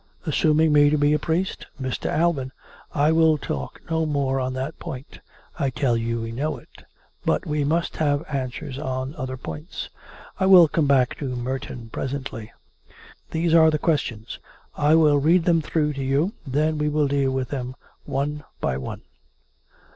" Assuming me to be a priest? "" Mr. Alban, I will talk no more on that point. I tell COME RACK! COME ROPE! 458 you we kBow it. But we must have answers on other points. I will come back to Merton presently. These are the questions. I will read them through to you. Then we will deal with them one by one."